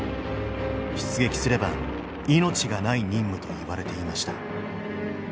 出撃すれば命がない任務といわれていました